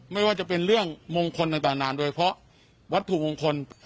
ไม่ว่าจะเป็นเรื่องมงคลต่างนานโดยเพราะวัตถุมงคล